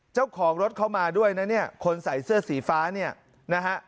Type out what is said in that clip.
เจ้าของรถเข้ามาด้วยนะเนี่ยคนใส่เสื้อสีฟ้าเนี่ยนะฮะ